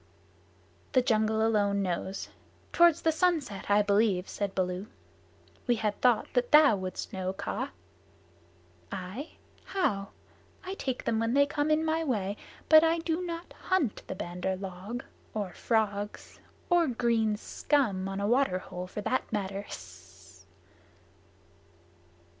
"The jungle alone knows. Toward the sunset, I believe," said Baloo. "We had thought that thou wouldst know, Kaa." "I? How? I take them when they come in my way, but I do not hunt the Bandar log, or frogs or green scum on a water hole, for that matter."